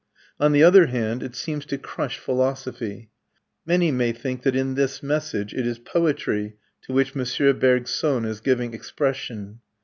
On the other hand, it seems to crush philosophy. Many may think that in this message it is poetry to which M. Bergson is giving expression.